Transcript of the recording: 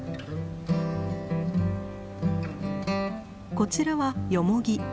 こちらはヨモギ。